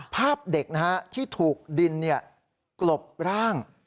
ภาพเด็กที่ถูกดินกลบร่าง